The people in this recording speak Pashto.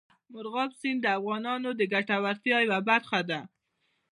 مورغاب سیند د افغانانو د ګټورتیا یوه برخه ده.